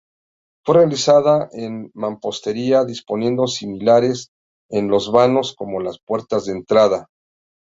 Fue realizada en mampostería, disponiendo sillares en los vanos como la puerta de entrada.